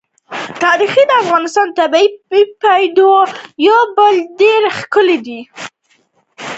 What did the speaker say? تاریخ د افغانستان د طبیعي پدیدو یو بل ډېر ښکلی او رنګین رنګ دی.